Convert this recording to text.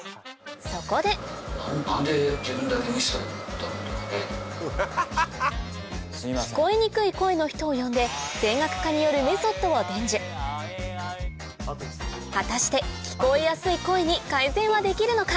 そこで聞こえにくい声の人を呼んで声楽家によるメソッドを伝授果たして聞こえやすい声に改善はできるのか？